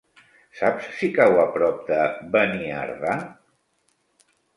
Saps si cau a prop de Beniardà?